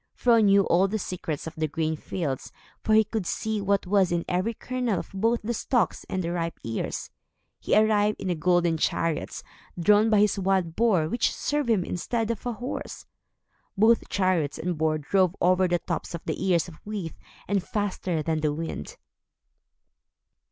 Fro knew all the secrets of the grain fields, for he could see what was in every kernel of both the stalks and the ripe ears. He arrived, in a golden chariot, drawn by his wild boar which served him instead of a horse. Both chariot and boar drove over the tops of the ears of wheat, and faster than the wind.